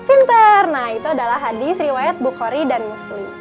pinter nah itu adalah hadis riwayat bukhori dan muslim